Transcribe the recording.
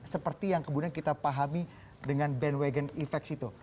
seperti yang kemudian kita pahami dengan bandwagon efek situ